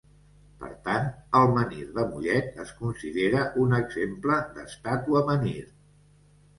Per tant, el menhir de Mollet es considera un exemple d'estàtua-menhir.